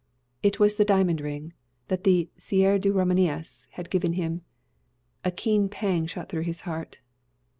It was the diamond ring that the Sieur de Ramenais had given him. A keen pang shot through his heart.